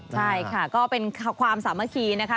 ใช่ค่ะก็เป็นความสามัคคีนะคะ